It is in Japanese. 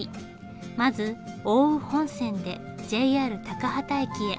まず奥羽本線でＪＲ高畠駅へ。